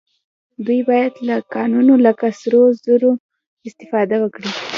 دوی باید له کانونو لکه سرو زرو استفاده وکړي